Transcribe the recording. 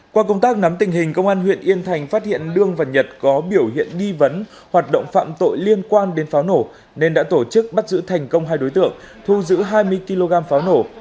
qua công tác nắm tình hình công an huyện yên thành phát hiện đương và nhật có biểu hiện nghi vấn hoạt động phạm tội liên quan đến pháo nổ nên đã tổ chức bắt giữ thành công hai đối tượng thu giữ hai mươi kg pháo nổ